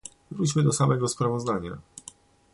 Wróćmy do samego sprawozdania